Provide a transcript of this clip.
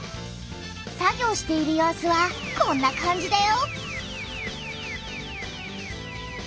作業している様子はこんな感じだよ。